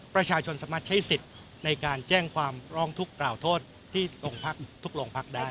ประชาชนสามารถใช้สิทธิ์ในการแจ้งความร้องทุกข์กล่าวโทษที่ทุกโรงพักได้